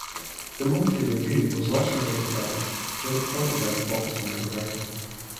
The "Monthly Review" was also sympathetic, but it pointed out faults in her writing.